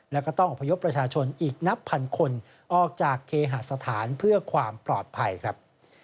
แล้วก็ต้องอพยพประชาชนอีกนับพันคนออกจากเคหาสถานเพื่อความปลอดภัยครับ